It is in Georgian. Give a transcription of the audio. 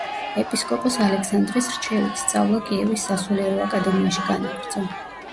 ეპისკოპოს ალექსანდრეს რჩევით, სწავლა კიევის სასულიერო აკადემიაში განაგრძო.